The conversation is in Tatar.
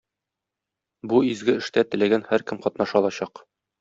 Бу изге эштә теләгән һәркем катнаша алачак.